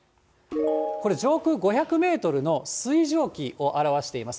これ、上空５００メートルの水蒸気を表しています。